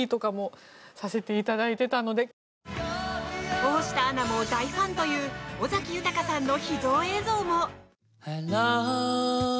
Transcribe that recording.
大下アナも大ファンという尾崎豊さんの秘蔵映像も。